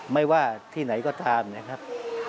ไม่ว่าที่ไหนก็ตามนะครับ